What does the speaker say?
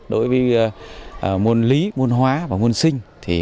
đối với môn lý môn hóa và môn sinh